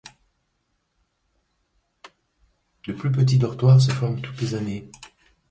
De plus petits dortoirs se forment toutes les années.